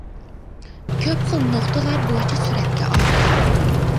كۆپ خىل نۇقتىلار بويىچە سۈرەتكە ئالدى.